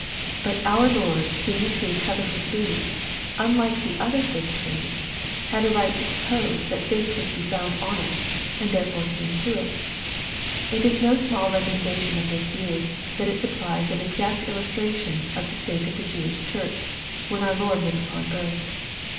But our Lord seeing a fig tree covered with leaves, unlike the other fig trees, had a right to suppose that figs were to be found on it, and therefore came to it." It is no small recommendation of this view thab it supplies an exact illustration of the state of the Jewish Church, when our Lord was upon earth.